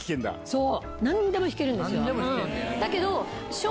そう。